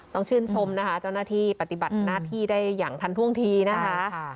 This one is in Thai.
ต้องชื่นชมนะคะเจ้าหน้าที่ปฏิบัติหน้าที่ได้อย่างทันท่วงทีนะคะ